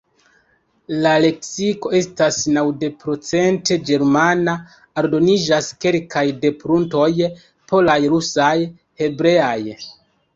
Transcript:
La leksiko estas naŭdekprocente ĝermana; aldoniĝas kelkaj depruntoj polaj, rusaj, hebreaj.